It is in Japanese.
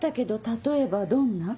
例えばどんな？